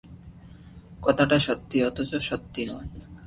কথাটা সত্যি অথচ সত্যি নয়।